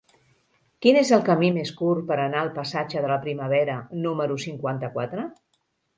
Quin és el camí més curt per anar al passatge de la Primavera número cinquanta-quatre?